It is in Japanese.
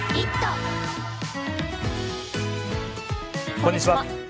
こんにちは。